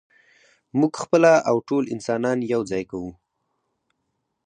موږ خپله او ټول انسانان یو ځای کوو.